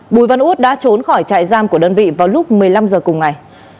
bùi văn út đã trốn khỏi trại giam của đơn vị vào lúc một mươi năm h cùng ngày